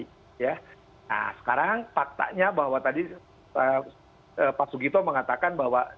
nah sekarang faktanya bahwa tadi pak sugito mengatakan bahwa